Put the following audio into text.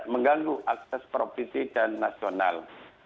mengganggu akses provinsi dan nasional